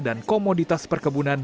dan komoditas perkebunan